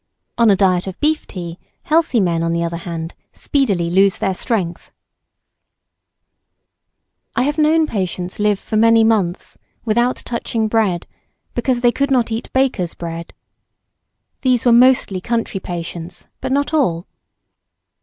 On a diet of beef tea healthy men on the other hand speedily lose their strength. [Sidenote: Home made bread.] I have known patients live for many months without touching bread, because they could not eat baker's bread. These were mostly country patients, but not all.